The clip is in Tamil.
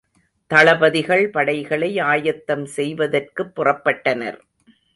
தளபதிகள் படைகளை ஆயத்தம் செய்வதற்குப் புறப்பட்டனர்.